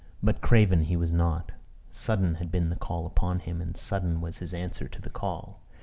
But craven he was not: sudden had been the call upon him, and sudden was his answer to the call.